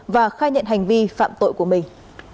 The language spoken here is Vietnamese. và khai nhận hành vi phạm tội của mình